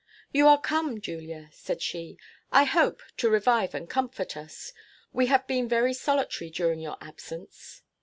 "You are come, Julia," said she, "I hope, to revive and comfort us. We have been very solitary during your absence."